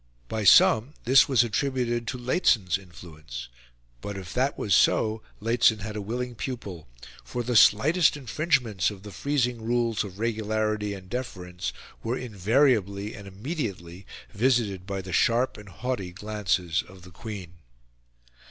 By some, this was attributed to Lehzen's influence; but, if that was so, Lehzen had a willing pupil; for the slightest infringements of the freezing rules of regularity and deference were invariably and immediately visited by the sharp and haughty glances of the Queen.